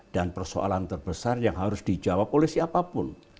dan persoalan terbesar yang harus dijawab oleh siapapun